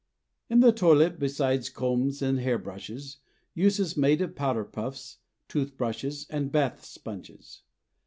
In the toilet, besides combs and hair brushes, use is made of powder puffs, tooth brushes, and bath sponges.